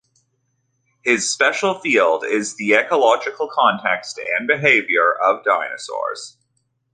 His special field is the ecological context and behavior of dinosaurs.